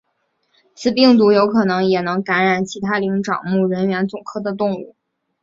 此病毒有可能也能感染其他灵长目人猿总科的动物。